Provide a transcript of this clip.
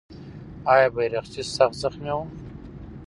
آیا بیرغچی سخت زخمي و؟